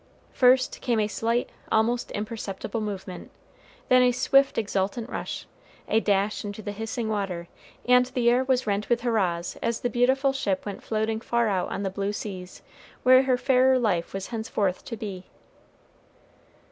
First came a slight, almost imperceptible, movement, then a swift exultant rush, a dash into the hissing water, and the air was rent with hurrahs as the beautiful ship went floating far out on the blue seas, where her fairer life was henceforth to be.